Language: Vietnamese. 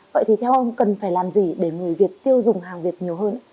vậy thì theo ông cần phải làm gì để người việt tiêu dùng hàng việt nhiều hơn